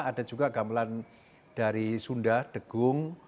ada juga gamelan dari sunda degung